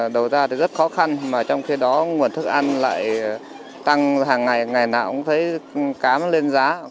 đầu ra thì rất khó khăn mà trong khi đó nguồn thức ăn lại tăng hàng ngày ngày nào cũng thấy cám lên giá